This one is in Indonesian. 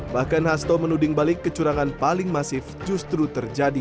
bahkan hasto menuding balik kecurangan paling masif justru terjadi